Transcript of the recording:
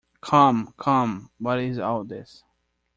Come, come, what is all this?